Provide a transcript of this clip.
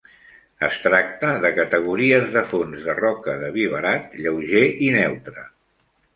Es tracta de categories de fons de roca de vi barat, lleuger i neutre.